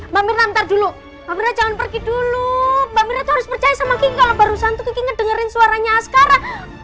mbak mirna bentar dulu mbak mirna jangan pergi dulu mbak mirna tuh harus percaya sama kiki kalau barusan tuh kiki ngedengerin suaranya askara